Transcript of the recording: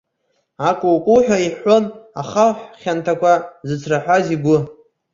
Акәукәуҳәа иҳәҳәон ахаҳә хьанҭақәа зыцраҳәаз игәы.